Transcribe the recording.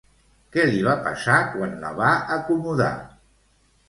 Què li va passar quan la va acomodar?